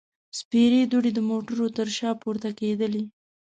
سپېرې دوړې د موټرو تر شا پورته کېدلې.